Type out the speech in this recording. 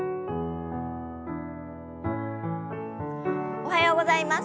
おはようございます。